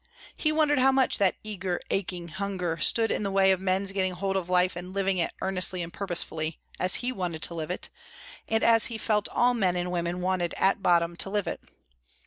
He wondered how much that eager, aching hunger stood in the way of men's getting hold of life and living it earnestly and purposefully, as he wanted to live it, and as he felt all men and women wanted at bottom to live it.